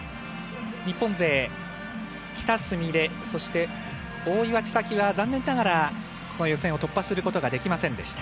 日本勢、喜田純鈴、大岩千未来は残念ながらこの予選を突破することはできませんでした。